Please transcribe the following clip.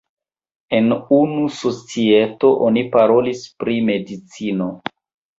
En unu societo oni parolis pri medicino.